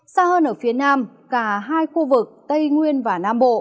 xa hơn ở phía nam cả hai khu vực tây nguyên và nam bộ